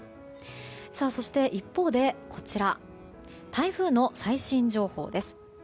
さあ、そして一方で台風の最新情報です。